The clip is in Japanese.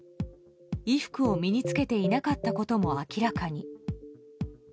衣服を身に着けていなかったことも明らかに。